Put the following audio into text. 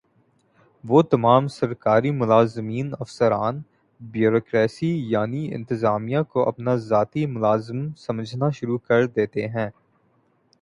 وہ تمام سرکاری ملازمین افسران بیورو کریسی یعنی انتظامیہ کو اپنا ذاتی ملازم سمجھنا شروع کر دیتے ہیں ۔